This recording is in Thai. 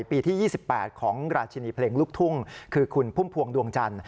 ปีที่๒๘ของราชินีเพลงลูกทุ่งคือคุณพุ่มพวงดวงจันทร์